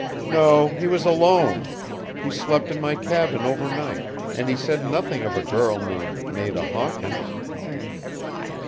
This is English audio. "No, he was alone. He slept in my cabin overnight, and he said nothing of a girl named Nada Hawkins."